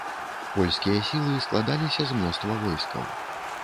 Польскія сілы складаліся з мноства войскаў.